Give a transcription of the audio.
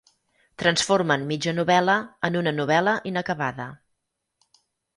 Transformen mitja novel·la en una novel·la inacabada.